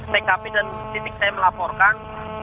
tkp dan titik saya melaporkan